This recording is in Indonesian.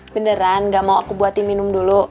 beneran gak mau aku buatin minum dulu